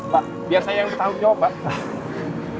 pak biar saya yang bertanggung jawab pak